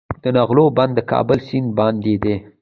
د نغلو بند د کابل سیند باندې دی